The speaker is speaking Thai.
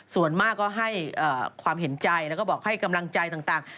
ส่วนมากก็ให้ความเห็นใจแล้วก็บอกให้กำลังใจต่าง